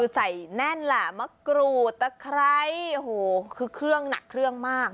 ใส่แน่นแหละมะกรูดตะไคร้โอ้โหคือเครื่องหนักเครื่องมาก